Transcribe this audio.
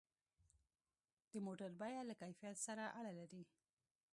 د موټر بیه له کیفیت سره اړه لري.